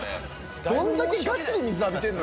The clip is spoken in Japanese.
どんだけガチで水浴びてんの？